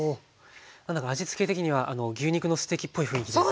何だか味つけ的には牛肉のステーキっぽい雰囲気ですね。